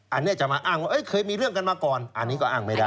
อันนี้จะมาอ้างว่าเคยมีเรื่องกันมาก่อนอันนี้ก็อ้างไม่ได้